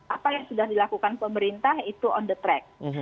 apa yang sudah dilakukan pemerintah itu on the track